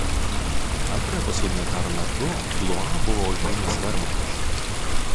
Antrojo pasaulinio karo metu Blua buvo užėmęs Vermachtas.